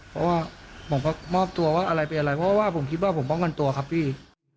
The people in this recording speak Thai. เพราะว่าผมก็มอบตัวว่าอะไรเป็นอะไรเพราะว่าผมคิดว่าผมป้องกันตัวครับพี่